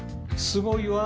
すごいわ。